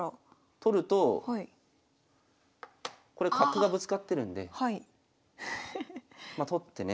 取るとこれ角がぶつかってるんで取ってね